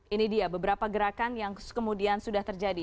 ini dia beberapa gerakan yang kemudian sudah terjadi